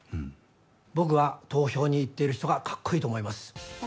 僕は投票に行っている人がかっこいいと思います。